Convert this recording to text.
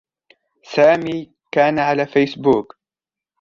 سامي كان على فيسبوك.